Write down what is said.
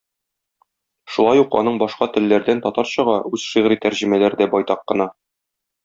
Шулай ук аның башка телләрдән татарчага үз шигъри тәрҗемәләре дә байтак кына.